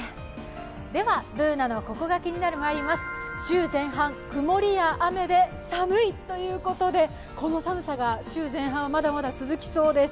Ｂｏｏｎａの「ココがキニナル」です週前半、曇りや雨で寒いということでこの寒さが週前半はまだまだ続きそうです。